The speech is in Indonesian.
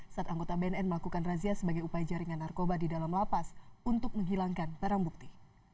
saat anggota bnn melakukan razia sebagai upaya jaringan narkoba di dalam lapas untuk menghilangkan barang bukti